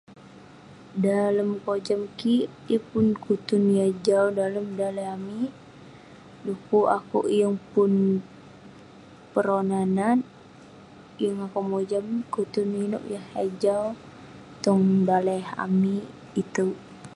Dalem kojam kik yeng pun kutun yah jau dalem daleh amik. Dekuk akouk yeng pun peronah nat, yeng akouk mojam kutun inouk eh jau tong daleh amik itouk.